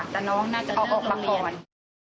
แต่น้องน่าจะเลิกต้องเรียน